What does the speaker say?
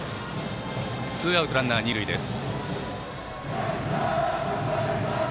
ツーアウトランナー、二塁です。